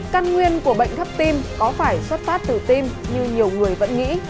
căn nguyên của bệnh thấp tim có phải xuất phát từ tim như nhiều người vẫn nghĩ